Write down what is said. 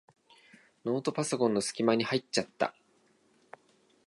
ノートパソコンのすき間に入っちゃった。